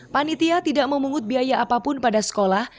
panitia tidak memungut biaya apapun pada sekolah